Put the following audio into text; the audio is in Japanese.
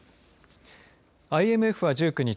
ＩМＦは１９日